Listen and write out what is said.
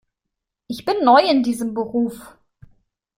Ich bin neu in diesem Beruf.